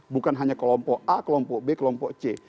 bukan hanya kelompok a kelompok b kelompok c